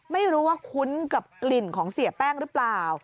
ไม่รู้ว่าคุ้นกับกลิ่นของเสียแป้งหรือเปล่า